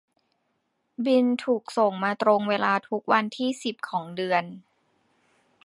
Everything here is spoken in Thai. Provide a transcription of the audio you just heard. บิลถูกส่งมาตรงเวลาทุกวันที่สิบของเดือน